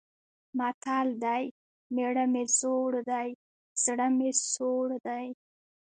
متل دی: مېړه مې زوړ دی، زړه مې سوړ دی.